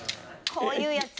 こういうやつ。